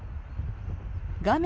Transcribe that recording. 画面